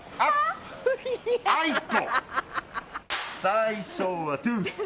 最初はトゥース！